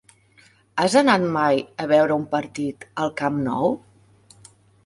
Has anat mai a veure un partit al Camp Nou?